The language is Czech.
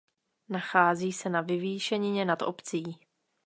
Nachází se na vyvýšenině nad obcí.